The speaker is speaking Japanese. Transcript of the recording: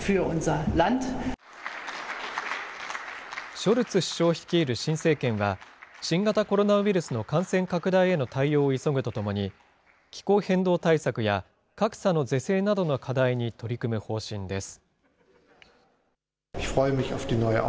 ショルツ首相率いる新政権は、新型コロナウイルスの感染拡大への対応を急ぐとともに、気候変動対策や格差の是正などの課題に取り組む方針です。